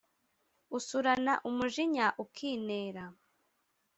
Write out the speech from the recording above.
Usurana umujinya ukinera.